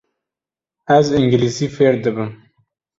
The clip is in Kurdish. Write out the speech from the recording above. Ez îngilîzî fêr dibim.